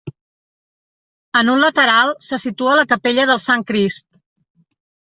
En un lateral se situa la capella del Sant Crist.